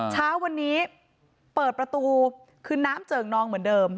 เช้าวันนี้เปิดประตูคือน้ำเจิ่งนองเหมือนเดิม